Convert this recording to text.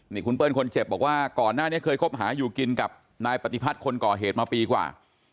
นี่คุณเปิ้ลคนเจ็บบอกว่าก่อนหน้านี้เคยคบหาอยู่กินกับนายปฏิพัฒน์คนก่อเหตุมาปีกว่า